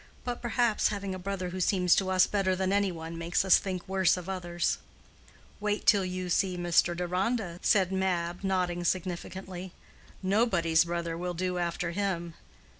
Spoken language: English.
But, perhaps, having a brother who seems to us better than any one makes us think worse of others." "Wait till you see Mr. Deronda," said Mab, nodding significantly. "Nobody's brother will do after him."